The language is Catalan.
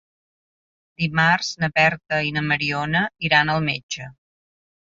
Dimarts na Berta i na Mariona iran al metge.